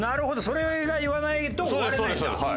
それが言わないと終われないんだ。